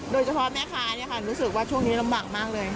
โดยเฉพาะแม่ค้ารู้สึกว่าช่วงนี้ลำบากมากเลย